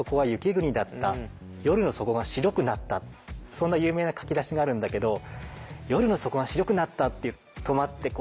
そんな有名な書き出しがあるんだけど「夜の底が白くなった」って止まって想像する。